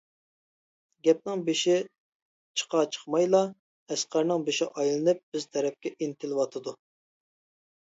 گەپنىڭ بېشى چىقا-چىقمايلا، ئەسقەرنىڭ بېشى ئايلىنىپ، بىز تەرەپكە ئىنتىلىۋاتىدۇ.